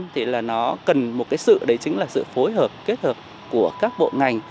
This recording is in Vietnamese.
thì là nó cần một cái sự đấy chính là sự phối hợp kết hợp của các bộ ngành